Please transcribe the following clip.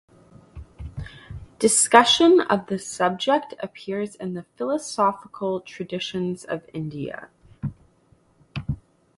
Discussion of the subject appears in the philosophical traditions of India.